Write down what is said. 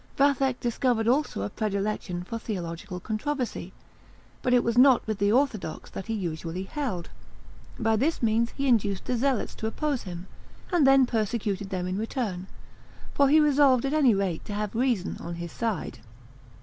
Vathek discovered also a predilection for theological controversy, but it was not with the orthodox that he usually held. By this means he induced the zealots to oppose him, and then persecuted them in return; for he resolved at any rate to have reason on his side.